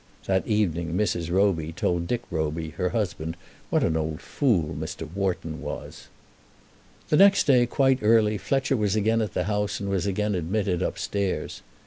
That evening Mrs. Roby told Dick Roby, her husband, what an old fool Mr. Wharton was. The next day, quite early, Fletcher was again at the house and was again admitted upstairs.